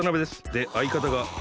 であいかたが。